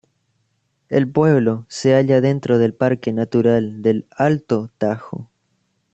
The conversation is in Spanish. El pueblo se halla dentro del parque natural del Alto Tajo.